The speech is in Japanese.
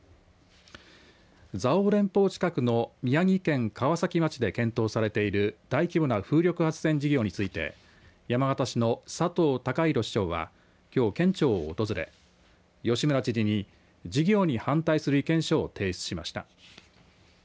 蔵王連峰近くの宮城県川崎町で検討されている大規模な風力発電事業について山形市の佐藤孝弘市長はきょう県庁を訪れ吉村知事に事業に反対する意見書を提出しました。